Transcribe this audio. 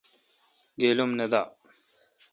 گیل ام نہ دہ۔